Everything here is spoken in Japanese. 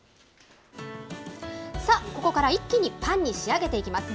さあ、ここから一気にパンに仕上げていきます。